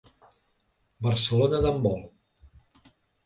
Barcelona d'handbol.